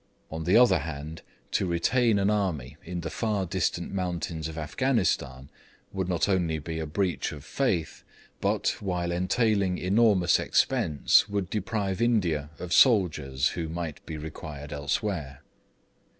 On the other hand, to retain an army in the far distant mountains of Afghanistan would not only be a breach of faith, but, while entailing enormous expense, would deprive India of soldiers who might be required elsewhere.